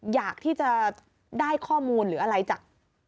อยากที่จะได้ข้อมูลหรืออะไรจาก